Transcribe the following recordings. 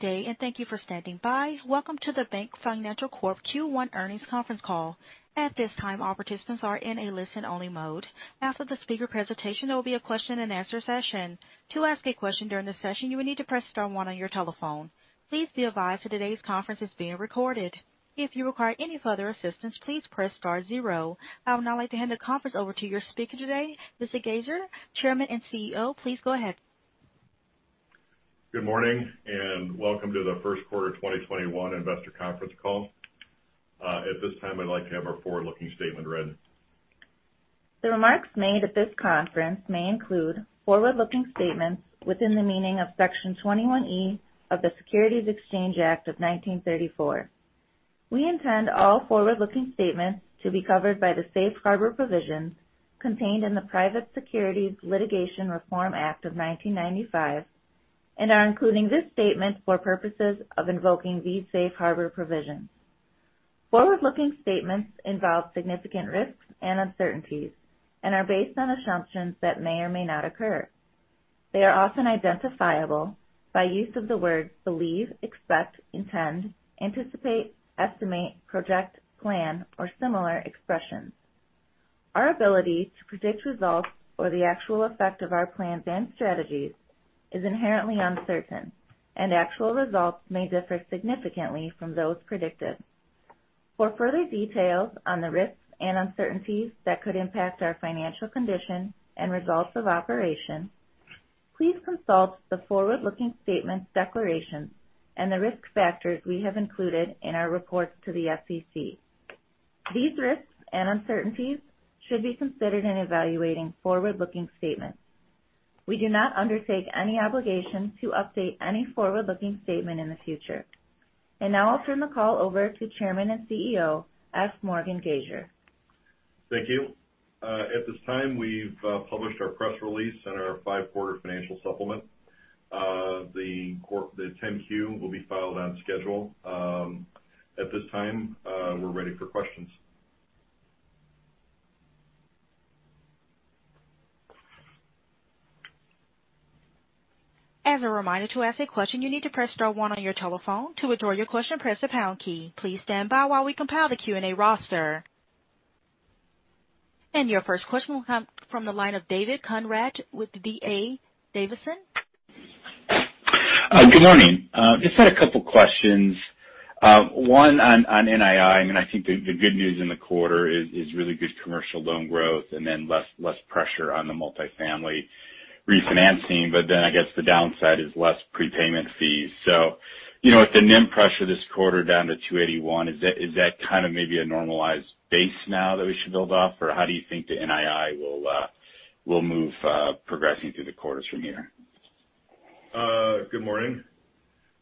Good day, and thank you for standing by. Welcome to the BankFinancial Corp Q1 earnings conference call. At this time, all participants are in a listen-only mode. After the speaker presentation, there will be a question and answer session. To ask a question during the session, you will need to press star one on your telephone. Please be advised that today's conference is being recorded. If you require any further assistance, please press star zero. I would now like to hand the conference over to your speaker today, Mr. Gasior, Chairman and CEO. Please go ahead. Good morning, and welcome to the first quarter 2021 investor conference call. At this time, I'd like to have our forward-looking statement read. The remarks made at this conference may include forward-looking statements within the meaning of Section 21E of the Securities Exchange Act of 1934. We intend all forward-looking statements to be covered by the safe harbor provisions contained in the Private Securities Litigation Reform Act of 1995 and are including this statement for purposes of invoking these safe harbor provisions. Forward-looking statements involve significant risks and uncertainties and are based on assumptions that may or may not occur. They are often identifiable by use of the words believe, expect, intend, anticipate, estimate, project, plan, or similar expressions. Our ability to predict results or the actual effect of our plans and strategies is inherently uncertain, and actual results may differ significantly from those predicted. For further details on the risks and uncertainties that could impact our financial condition and results of operation, please consult the forward-looking statements declarations and the risk factors we have included in our reports to the SEC. These risks and uncertainties should be considered in evaluating forward-looking statements. We do not undertake any obligation to update any forward-looking statement in the future. Now I'll turn the call over to Chairman and CEO, F. Morgan Gasior. Thank you. At this time, we've published our press release and our five-quarter financial supplement. The 10-Q will be filed on schedule. At this time, we're ready for questions. As a reminder, to ask a question, you need to press star one on your telephone. To withdraw your question, press the pound key. Please stand by while we compile the Q&A roster. Your first question will come from the line of David Konrad with D.A. Davidson. Good morning. Just had a couple questions. One on NII. I think the good news in the quarter is really good commercial loan growth, less pressure on the multifamily refinancing. I guess the downside is less prepayment fees. With the NIM pressure this quarter down to 281 [basis points], is that kind of maybe a normalized base now that we should build off? How do you think the NII will move progressing through the quarters from here? Good morning.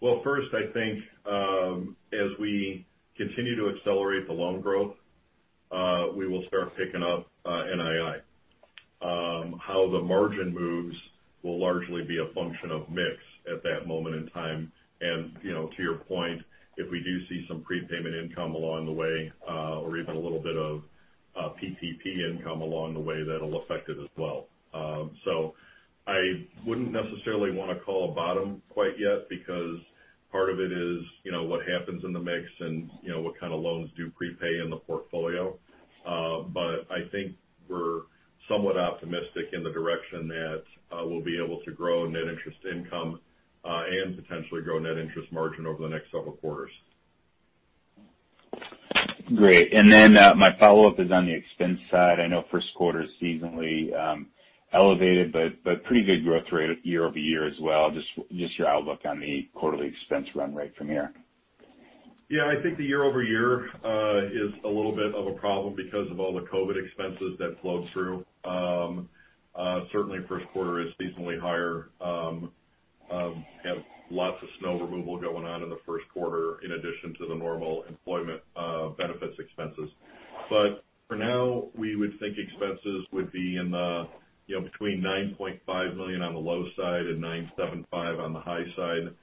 Well, first, I think as we continue to accelerate the loan growth, we will start picking up NII. How the margin moves will largely be a function of mix at that moment in time. To your point, if we do see some prepayment income along the way, or even a little bit of PPP income along the way, that'll affect it as well. I wouldn't necessarily want to call a bottom quite yet because part of it is what happens in the mix and what kind of loans do prepay in the portfolio. I think we're somewhat optimistic in the direction that we'll be able to grow net interest income and potentially grow net interest margin over the next several quarters. Great. My follow-up is on the expense side. I know first quarter is seasonally elevated, pretty good growth rate year-over-year as well. Just your outlook on the quarterly expense run rate from here. Yeah, I think the year-over-year is a little bit of a problem because of all the COVID expenses that flowed through. Certainly, first quarter is seasonally higher. We have lots of snow removal going on in the first quarter in addition to the normal employment benefits expenses. For now, we would think expenses would be between $9.5 million on the low side and $9.75 million on the high side.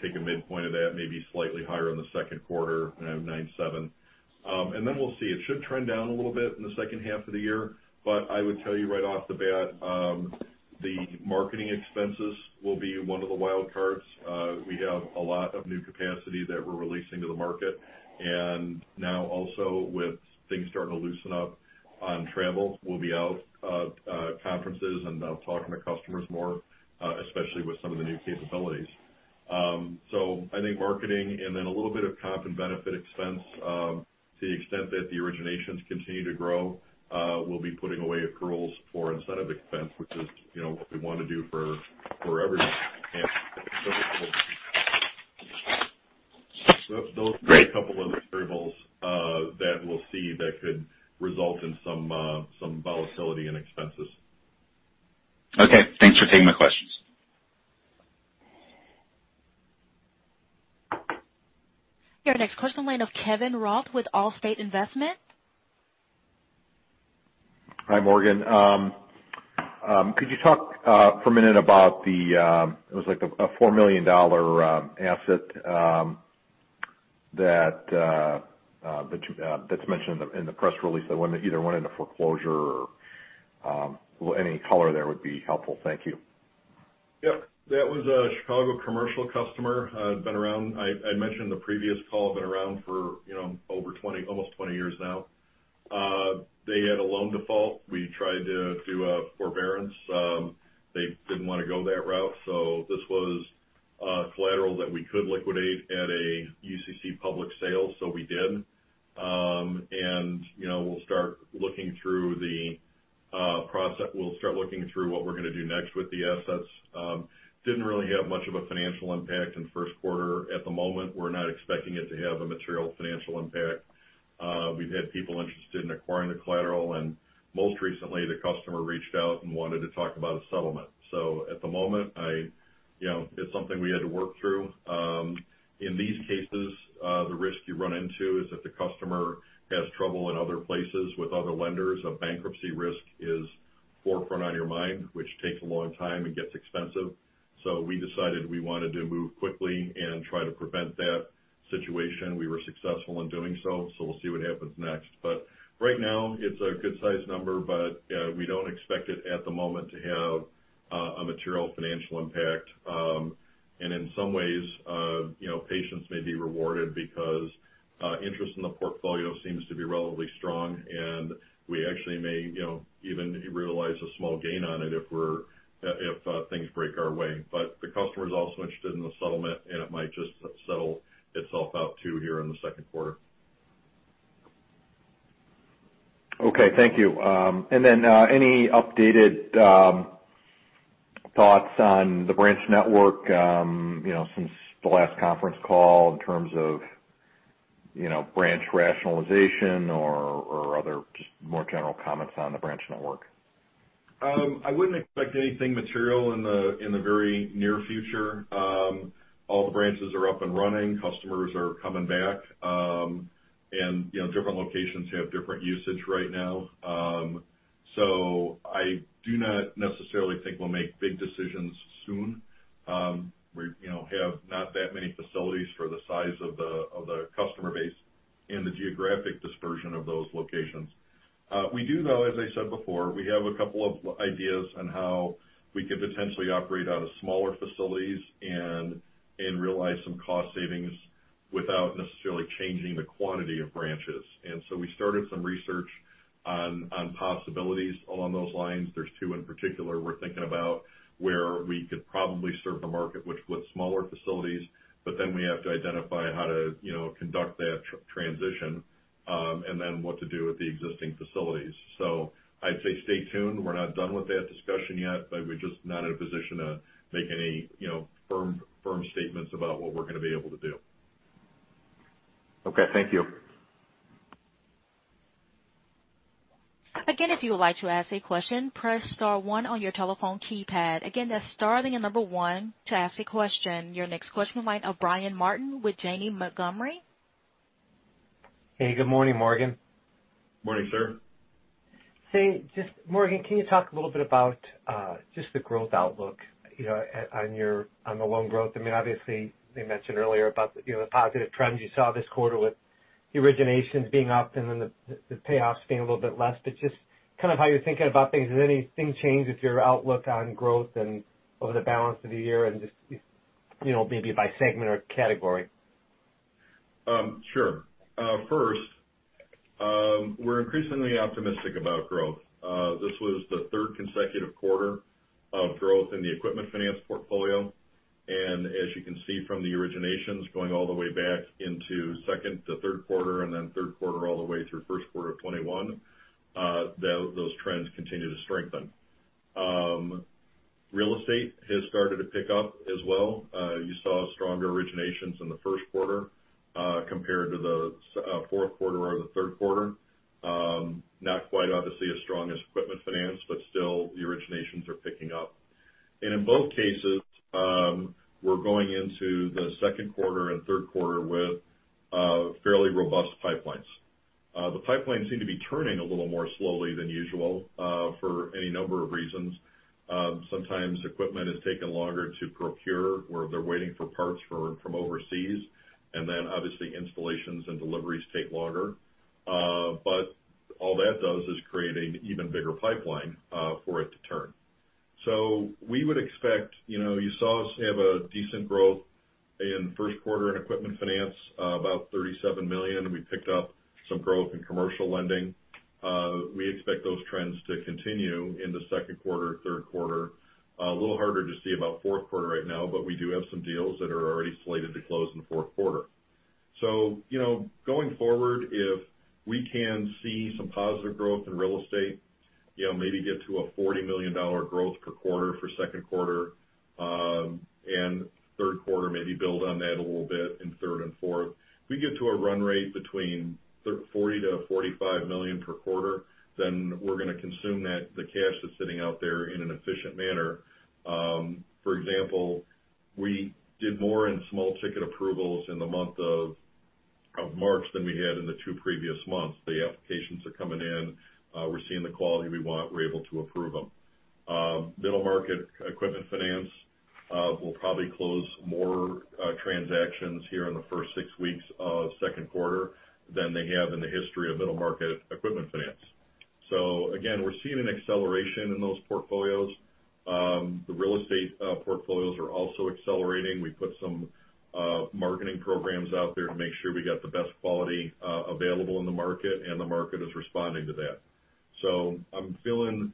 Take a midpoint of that, maybe slightly higher in the second quarter around $9.7 million. Then we'll see. It should trend down a little bit in the second half of the year. I would tell you right off the bat the marketing expenses will be one of the wild cards. We have a lot of new capacity that we're releasing to the market. Now also with things starting to loosen up on travel, we'll be out conferences and talking to customers more, especially with some of the new capabilities. I think marketing and then a little bit of comp and benefit expense to the extent that the originations continue to grow. We'll be putting away accruals for incentive expense. Those are a couple of the variables that we'll see that could result in some volatility in expenses. Okay. Thanks for taking my questions. Your next question, line of Kevin Roth with Allstate Investments. Hi, Morgan. Could you talk for a minute about it was like a $4 million asset that's mentioned in the press release that either went into foreclosure or any color there would be helpful. Thank you. Yep. That was a Chicago commercial customer. I mentioned the previous call, been around for almost 20 years now. They had a loan default. We tried to do a forbearance. They didn't want to go that route. This was collateral that we could liquidate at a UCC public sale. We did. We'll start looking through what we're going to do next with the assets. Didn't really have much of a financial impact in first quarter. At the moment, we're not expecting it to have a material financial impact. We've had people interested in acquiring the collateral, and most recently, the customer reached out and wanted to talk about a settlement. At the moment, it's something we had to work through. In these cases, the risk you run into is if the customer has trouble in other places with other lenders, a bankruptcy risk is forefront on your mind, which takes a long time and gets expensive. We decided we wanted to move quickly and try to prevent that situation. We were successful in doing so we'll see what happens next. Right now it's a good size number, but we don't expect it at the moment to have a material financial impact. In some ways, patients may be rewarded because interest in the portfolio seems to be relatively strong, and we actually may even realize a small gain on it if things break our way. The customer is also interested in the settlement, and it might just settle itself out too here in the second quarter. Okay, thank you. Any updated thoughts on the branch network since the last conference call in terms of branch rationalization or other just more general comments on the branch network? I wouldn't expect anything material in the very near future. All the branches are up and running. Customers are coming back. Different locations have different usage right now. I do not necessarily think we'll make big decisions soon. We have not that many facilities for the size of the customer base and the geographic dispersion of those locations. We do, though, as I said before, we have a couple of ideas on how we could potentially operate out of smaller facilities and realize some cost savings without necessarily changing the quantity of branches. We started some research on possibilities along those lines. There's two in particular we're thinking about where we could probably serve the market with smaller facilities, but then we have to identify how to conduct that transition, and then what to do with the existing facilities. I'd say stay tuned. We're not done with that discussion yet, but we're just not in a position to make any firm statements about what we're going to be able to do. Okay. Thank you. Again, if you would like to ask a question, press star one on your telephone keypad. Again, that's star then the number one to ask a question. Your next question might have Brian Martin with Janney Montgomery. Hey, good morning, Morgan. Morning, sir. Say, just Morgan, can you talk a little bit about just the growth outlook on the loan growth? Obviously, you mentioned earlier about the positive trends you saw this quarter with the originations being up and then the payoffs being a little bit less, but just kind of how you're thinking about things. Has anything changed with your outlook on growth and over the balance of the year and just maybe by segment or category? Sure. First, we're increasingly optimistic about growth. This was the third consecutive quarter of growth in the equipment finance portfolio. As you can see from the originations going all the way back into second to third quarter and then third quarter all the way through first quarter of 2021, those trends continue to strengthen. Real estate has started to pick up as well. You saw stronger originations in the first quarter, compared to the fourth quarter or the third quarter. Not quite obviously as strong as equipment finance, but still the originations are picking up. In both cases, we're going into the second quarter and third quarter with fairly robust pipelines. The pipelines seem to be turning a little more slowly than usual, for any number of reasons. Sometimes equipment is taking longer to procure, or they're waiting for parts from overseas, and then obviously installations and deliveries take longer. All that does is create an even bigger pipeline, for it to turn. You saw us have a decent growth in first quarter in equipment finance, about $37 million. We picked up some growth in commercial lending. We expect those trends to continue in the second quarter, third quarter. A little harder to see about fourth quarter right now, but we do have some deals that are already slated to close in the fourth quarter. Going forward, if we can see some positive growth in real estate, maybe get to a $40 million growth per quarter for second quarter, and third quarter, maybe build on that a little bit in third and fourth. If we get to a run rate between $40 million-$45 million per quarter, then we're going to consume the cash that's sitting out there in an efficient manner. For example, we did more in small ticket approvals in the month of March than we had in the two previous months. The applications are coming in. We're seeing the quality we want. We're able to approve them. Middle market equipment finance will probably close more transactions here in the first six weeks of second quarter than they have in the history of middle market equipment finance. Again, we're seeing an acceleration in those portfolios. The real estate portfolios are also accelerating. We put some marketing programs out there to make sure we got the best quality available in the market, and the market is responding to that. I'm feeling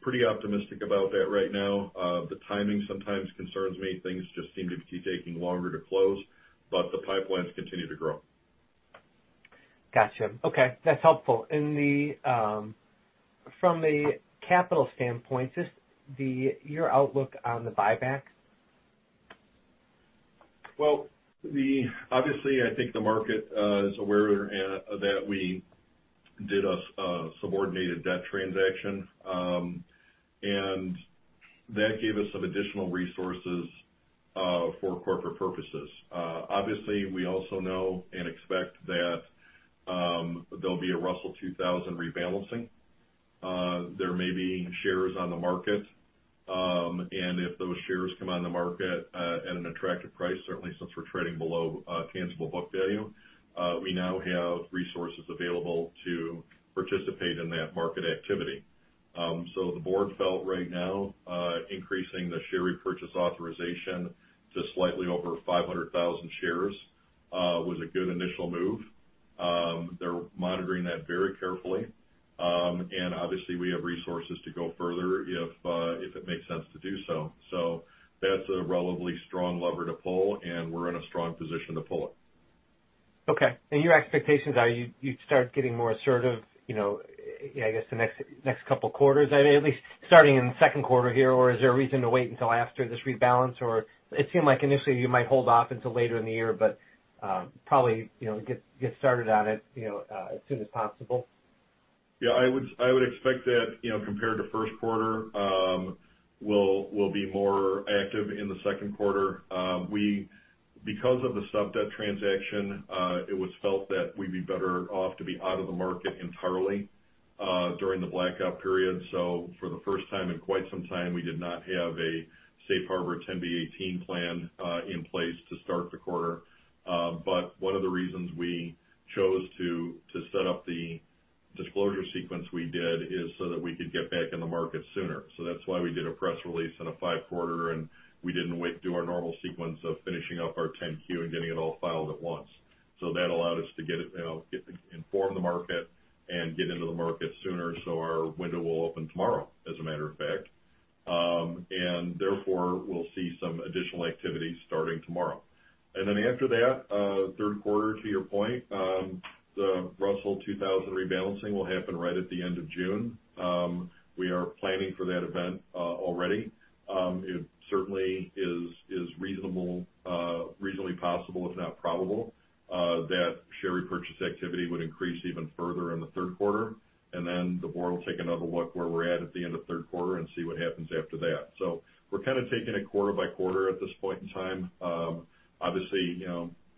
pretty optimistic about that right now. The timing sometimes concerns me. Things just seem to be taking longer to close. The pipelines continue to grow. Got you. Okay. That's helpful. From the capital standpoint, just your outlook on the buyback? Well, obviously, I think the market is aware that we did a subordinated debt transaction, and that gave us some additional resources for corporate purposes. We also know and expect that there'll be a Russell 2000 rebalancing. There may be shares on the market, and if those shares come on the market at an attractive price, certainly since we're trading below tangible book value, we now have resources available to participate in that market activity. The board felt right now increasing the share repurchase authorization to slightly over 500,000 shares, was a good initial move. They're monitoring that very carefully. Obviously we have resources to go further if it makes sense to do so. That's a relatively strong lever to pull, and we're in a strong position to pull it. Okay. Your expectations are you'd start getting more assertive, I guess, the next couple of quarters? At least starting in the second quarter here, or is there a reason to wait until after this rebalance? It seemed like initially you might hold off until later in the year, but probably, get started on it as soon as possible. Yeah, I would expect that compared to first quarter, we'll be more active in the second quarter. Because of the sub-debt transaction, it was felt that we'd be better off to be out of the market entirely, during the blackout period. For the first time in quite some time, we did not have a safe harbor 10b-18 plan in place to start the quarter. One of the reasons we chose to set up the disclosure sequence we did is so that we could get back in the market sooner. That's why we did a press release and a five-quarter, and we didn't wait to do our normal sequence of finishing up our 10-Q and getting it all filed at once. That allowed us to inform the market and get into the market sooner. Our window will open tomorrow, as a matter of fact. Therefore, we'll see some additional activity starting tomorrow. After that, third quarter, to your point, the Russell 2000 rebalancing will happen right at the end of June. We are planning for that event already. It certainly is reasonably possible, if not probable, that share repurchase activity would increase even further in the third quarter, and then the board will take another look where we're at at the end of third quarter and see what happens after that. We're kind of taking it quarter by quarter at this point in time. Obviously,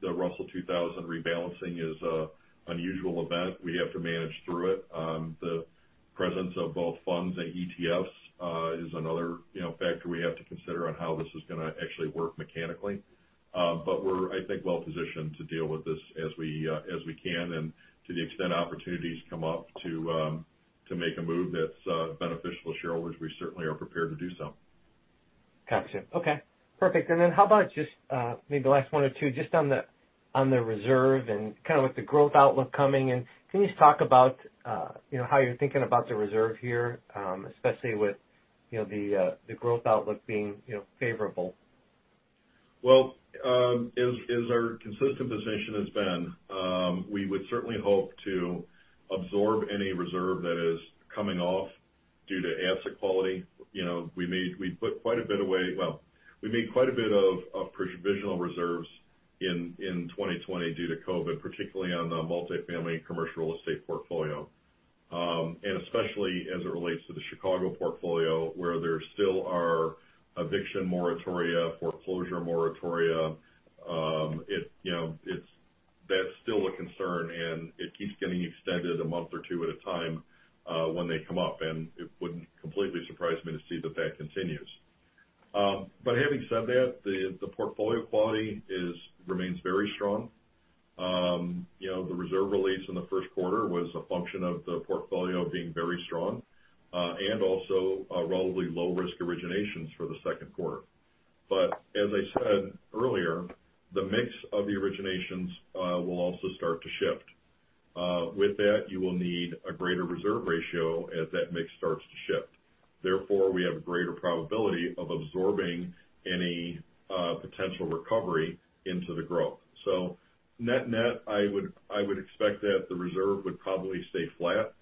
the Russell 2000 rebalancing is a unusual event. We have to manage through it. The presence of both funds and ETFs is another factor we have to consider on how this is going to actually work mechanically. We're, I think, well positioned to deal with this as we can, and to the extent opportunities come up to make a move that's beneficial to shareholders, we certainly are prepared to do so. Got you. Okay. Perfect. How about just maybe the last one or two just on the reserve and kind of with the growth outlook coming in. Can you just talk about how you're thinking about the reserve here, especially with the growth outlook being favorable? Well, as our consistent position has been, we would certainly hope to absorb any reserve that is coming off due to asset quality. We made quite a bit of provisional reserves in 2020 due to COVID, particularly on the multifamily commercial real estate portfolio. Especially as it relates to the Chicago portfolio, where there still are eviction moratoria, foreclosure moratoria. That's still a concern, and it keeps getting extended a month or two at a time, when they come up, and it wouldn't completely surprise me to see that continues. Having said that, the portfolio quality remains very strong. The reserve release in the first quarter was a function of the portfolio being very strong, and also relatively low risk originations for the second quarter. As I said earlier, the mix of the originations will also start to shift. With that, you will need a greater reserve ratio as that mix starts to shift. Therefore, we have a greater probability of absorbing any potential recovery into the growth. Net-net, I would expect that the reserve would probably stay flat.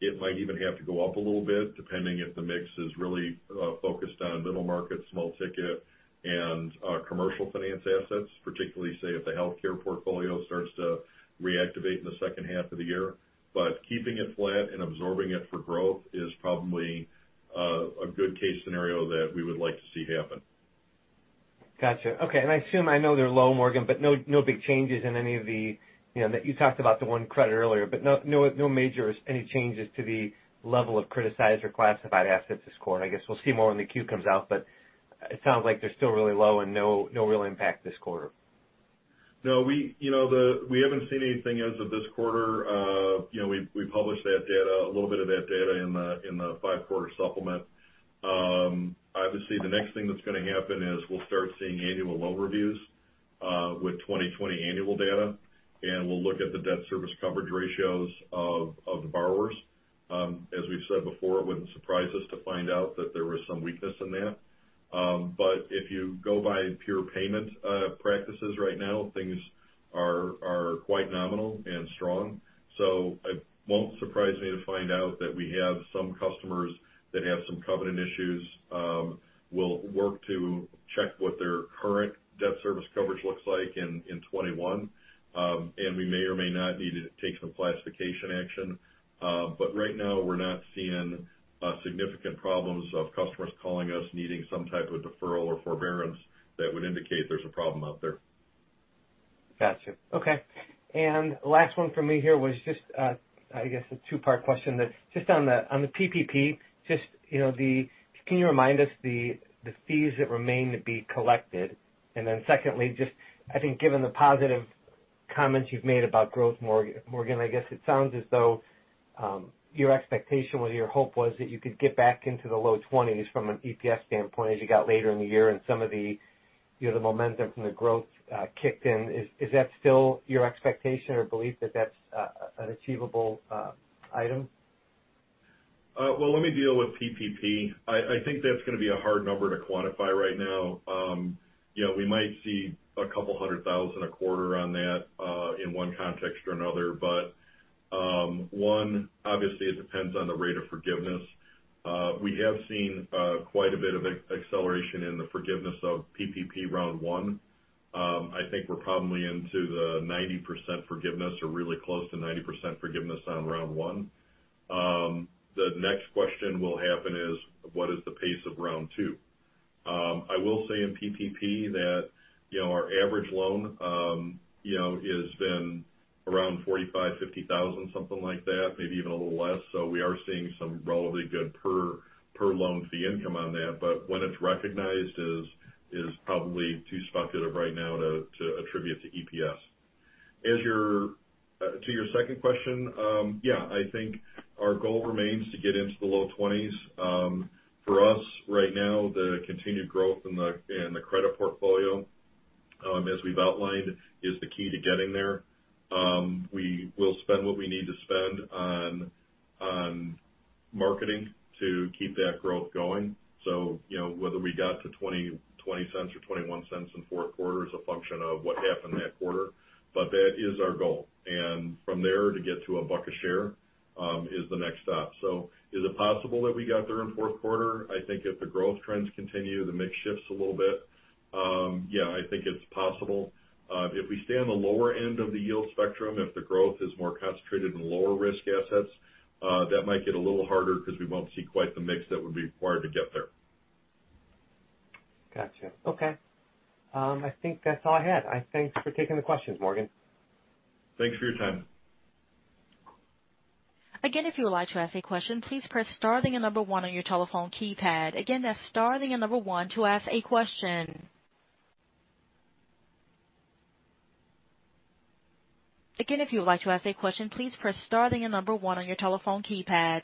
It might even have to go up a little bit, depending if the mix is really focused on middle market, small ticket, and commercial finance assets, particularly say if the healthcare portfolio starts to reactivate in the second half of the year. Keeping it flat and absorbing it for growth is probably a good case scenario that we would like to see happen. Got you. Okay. I assume I know they're low, Morgan, but no big changes. You talked about the one credit earlier, but no major changes to the level of criticized or classified assets this quarter. I guess we'll see more when the Q comes out, but it sounds like they're still really low and no real impact this quarter. No. We haven't seen anything as of this quarter. We published a little bit of that data in the five-quarter supplement. Obviously, the next thing that's going to happen is we'll start seeing annual loan reviews with 2020 annual data, and we'll look at the debt service coverage ratios of the borrowers. As we've said before, it wouldn't surprise us to find out that there was some weakness in that. If you go by pure payment practices right now, things are quite nominal and strong. It won't surprise me to find out that we have some customers that have some covenant issues. We'll work to check what their current debt service coverage looks like in 2021. We may or may not need to take some classification action. Right now, we're not seeing significant problems of customers calling us needing some type of deferral or forbearance that would indicate there's a problem out there. Got you. Okay. Last one from me here was just, I guess, a two-part question. Just on the PPP, can you remind us the fees that remain to be collected? Secondly, just I think given the positive comments you've made about growth, Morgan, I guess it sounds as though your expectation or your hope was that you could get back into the low $0.20s from an EPS standpoint as you got later in the year and some of the momentum from the growth kicked in. Is that still your expectation or belief that that's an achievable item? Well, let me deal with PPP. I think that's going to be a hard number to quantify right now. We might see a couple hundred thousand a quarter on that in one context or another. One, obviously, it depends on the rate of forgiveness. We have seen quite a bit of acceleration in the forgiveness of PPP round one. I think we're probably into the 90% forgiveness or really close to 90% forgiveness on round one. The next question will happen is, what is the pace of round two? I will say in PPP that our average loan has been around $45,000, $50,000, something like that, maybe even a little less. We are seeing some relatively good per loan fee income on that. When it's recognized is probably too speculative right now to attribute to EPS. To your second question, yeah, I think our goal remains to get into the low $0.20s. For us right now, the continued growth in the credit portfolio, as we've outlined, is the key to getting there. We will spend what we need to spend on marketing to keep that growth going. Whether we got to $0.20 or $0.21 in fourth quarter is a function of what happened that quarter. That is our goal. From there, to get to $1 a share is the next stop. Is it possible that we got there in fourth quarter? I think if the growth trends continue, the mix shifts a little bit. Yeah, I think it's possible. If we stay on the lower end of the yield spectrum, if the growth is more concentrated in lower risk assets, that might get a little harder because we won't see quite the mix that would be required to get there. Got you. Okay. I think that's all I had. Thanks for taking the questions, Morgan. Thanks for your time. Again if you would like to ask a question, please press star and the number one on your telephone keypad. Again that's star and the number one to ask a question. Again if you would like to ask a question, please press star and the number one on your telephone keypad.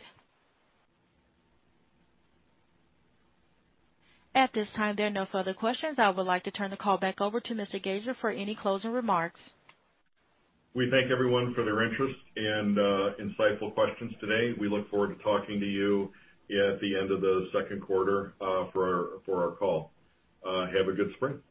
At this time, there are no further questions. I would like to turn the call back over to Mr. Gasior for any closing remarks. We thank everyone for their interest and insightful questions today. We look forward to talking to you at the end of the second quarter for our call. Have a good spring.